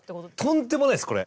とんでもないですこれ。